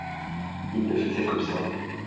il ne faisait qu'observer.